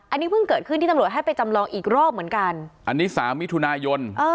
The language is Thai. อันนี้เพิ่งเกิดขึ้นที่ตำรวจให้ไปจำลองอีกรอบเหมือนกันอันนี้สามมิถุนายน